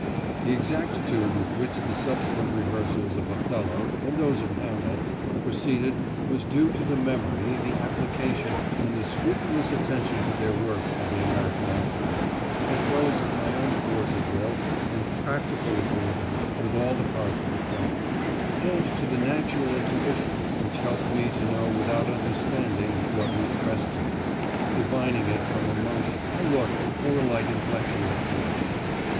The exactitude with which the subsequent rehearsals of "Othello," and those of "Hamlet," proceeded was due to the memory, the application, and the scrupulous attention to their work of the American actors, as well as to my own force of will and practical acquaintance with all the parts of the play, and to the natural intuition which helped me to know without understanding what was addressed to me, divining it from a motion, a look, or a light inflection of the voice.